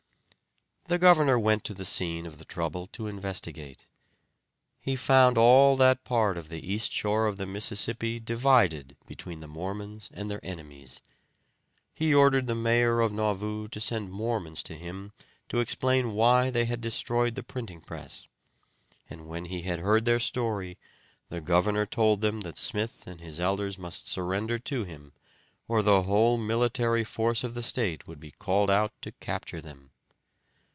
The governor went to the scene of the trouble to investigate. He found all that part of the east shore of the Mississippi divided between the Mormons and their enemies. He ordered the mayor of Nauvoo to send Mormons to him to explain why they had destroyed the printing press, and when he had heard their story the governor told them that Smith and his elders must surrender to him, or the whole military force of the state would be called out to capture them.